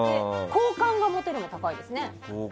好感が持てるも高いですね。